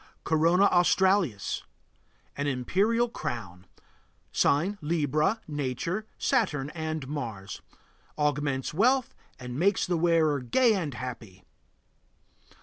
CORONA AUSTRALIS. An imperial crown. Sign: Libra. Nature: Saturn and Mars. Augments wealth and makes the wearer gay and happy.